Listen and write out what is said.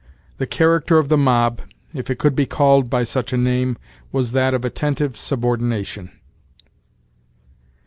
The character of the mob, if it could be called by such a name, was that of attentive subordination.